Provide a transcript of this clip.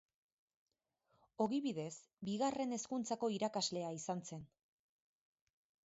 Ogibidez Bigarren Hezkuntzako irakaslea izan zen.